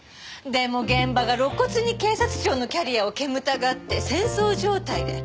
でも現場が露骨に警察庁のキャリアを煙たがって戦争状態で。